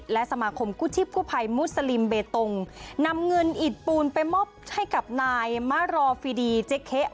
และสมาคมกู้ชีพกู้ภัยมุสลิมเบตงนำเงินอิดปูนไปมอบให้กับนายมะรอฟิดีเจ๊เค